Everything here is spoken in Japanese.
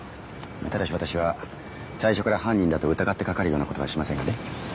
ただし私は最初から犯人だと疑ってかかるような事はしませんがね。